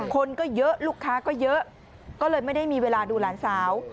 คนก็เยอะลูกค้าก็เยอะก็เลยไม่ได้มีเวลาดูหลานสาว